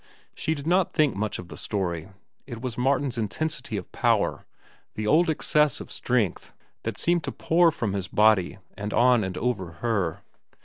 She did not think much of the story; it was Martin's intensity of power, the old excess of strength that seemed to pour from his body and on and over her.